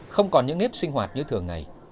không còn những nếp sinh hoạt như thường ngày